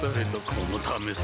このためさ